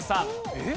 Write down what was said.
えっ？